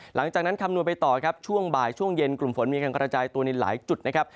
คำนวณไปต่อครับช่วงบ่ายช่วงเย็นกลุ่มฝนมีการกระจายตัวในหลายจุดนะครับ